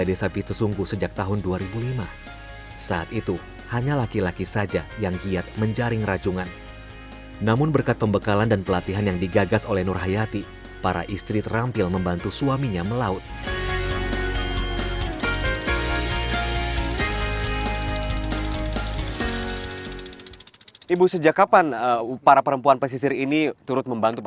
dan untuk meningkatkan penghasilan kaum perempuan